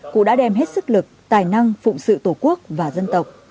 cụ đã đem hết sức lực tài năng phụng sự tổ quốc và dân tộc